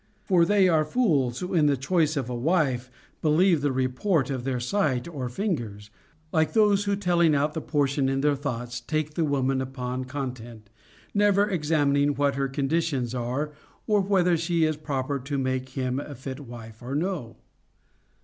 For they are fools who in the choice of a wife believe the re port of their sight or fingers ; like those who telling out the portion in their thoughts take the woman upon con tent, never examining what her conditions are, or whether she is proper to make him a fit wife or no